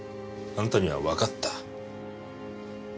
あんたにはわかった。